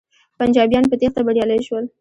پنجابیان په تیښته بریالی شول.